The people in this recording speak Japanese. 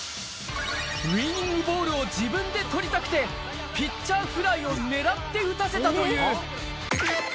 ウイニングボールを自分で捕りたくて、ピッチャーフライを狙って打たせたという。